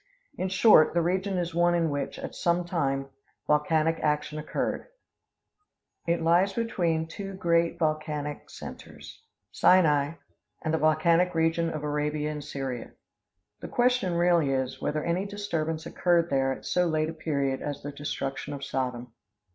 In short, the region is one in which, at some time, volcanic action occurred. It lies between two great volcanic [Illustration: DESTRUCTION OF SODOM.] centers: Sinai, and the volcanic region of Arabia and Syria. The question really is, whether any disturbance occurred there at so late a period as the destruction of Sodom.